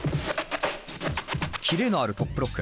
キレのあるトップロック。